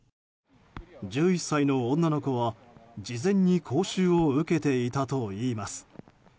１１歳の女の子は事前に講習を受けていたといいます。